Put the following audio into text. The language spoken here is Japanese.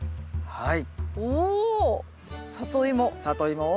はい。